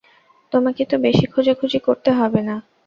তোমাকে তো বেশি খোঁজাখুঁজি করতে হবে না।